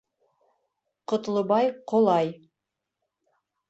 Ҡотлобай ҡолай.